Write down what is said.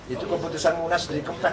itu keputusan mengulas dari keprek